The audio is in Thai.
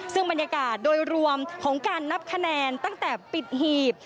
ซึ่งบรรยากาศโดยรวมของการนับคะแนนตั้งแต่ปิดหีบ